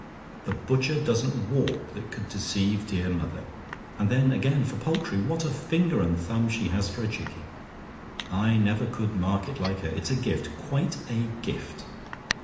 The butcher doesn't walk that could deceive dear mother. And then, again, for poultry! What a finger and thumb she has for a chicken! I never could market like her: it's a gift quite a gift.